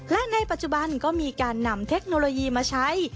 และในปัจจุบันก็มีการนำเทคโนโลยีมาใช้